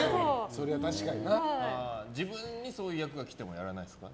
自分にそういう役が来てもやらないですか。